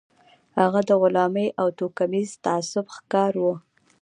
هغه د غلامۍ او توکميز تعصب ښکار و.